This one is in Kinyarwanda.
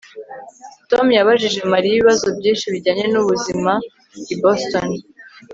Tom yabajije Mariya ibibazo byinshi bijyanye nubuzima i Boston